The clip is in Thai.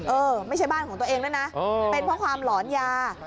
เออไม่ใช่บ้านของตัวเองด้วยนะเป็นเพราะความหลอนยา